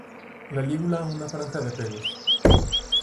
La lígula una franja de pelos.